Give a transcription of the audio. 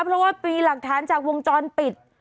เพราะว่ามีหลักฐานจากวงจรปิด